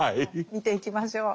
見ていきましょう。